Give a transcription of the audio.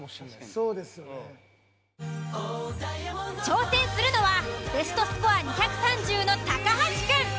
挑戦するのはベストスコア２３０の高橋くん。